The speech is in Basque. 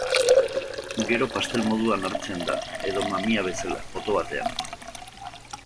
Gero pastel moduan hartzen da, edo mamia bezala, poto batean.